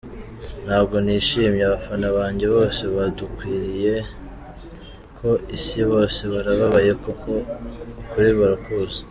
Ntabwo nishimye, abafana banjye bose badukurikiye ku isi bose barababaye kuko ukuri barakuzi.